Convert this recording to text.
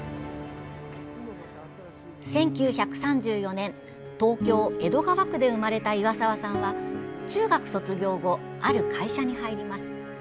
１９３４年、東京・江戸川区で生まれた岩沢さんは中学卒業後、ある会社に入ります。